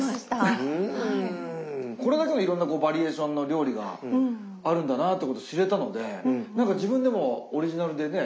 これだけのいろんなバリエーションの料理があるんだなってことを知れたので何か自分でもオリジナルでね